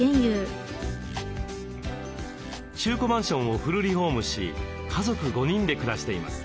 中古マンションをフルリフォームし家族５人で暮らしています。